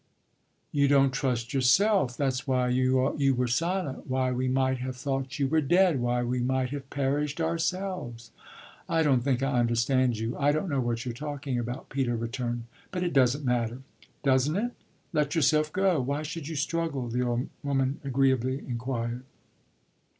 "You don't trust yourself. That's why you were silent, why we might have thought you were dead, why we might have perished ourselves." "I don't think I understand you; I don't know what you're talking about," Peter returned. "But it doesn't matter." "Doesn't it? Let yourself go. Why should you struggle?" the old woman agreeably inquired.